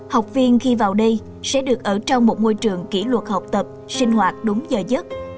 học viên khi vào đây sẽ được ở trong một môi trường kỷ luật học tập sinh hoạt đúng giờ giấc